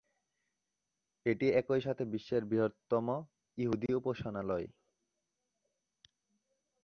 এটি একইসাথে বিশ্বের বৃহত্তম ইহুদি উপাসনালয়।